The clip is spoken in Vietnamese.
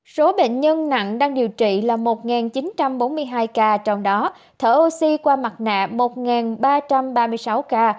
số bệnh nhân nặng đang điều trị là một chín trăm bốn mươi hai ca trong đó thở oxy qua mặt nạ một ba trăm ba mươi sáu ca